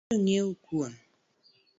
Med jang’iewo kuon